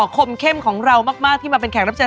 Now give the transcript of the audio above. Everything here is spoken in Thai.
ขอบคุณค่ะเขาเชิญขอบคุณมาก